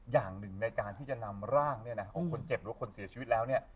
อย่างหนึ่งในการที่จะนำร่างของคนเจ็บหรือคนเสียชีวิตแล้ว